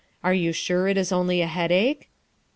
You are sure it is only a head ache?"